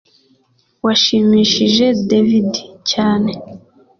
Washimishije David cyane